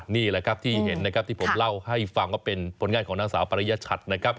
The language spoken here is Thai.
นี่แหละครับที่เห็นที่ผมเล่าให้ฟังว่าเป็นผลงานของนักศึกษาวปริยชัตริ์